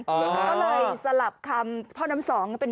ก็เลยสลับคำเป็น